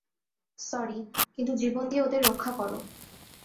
Sorry, কিন্তু জীবন দিয়ে ওদের রক্ষা করো!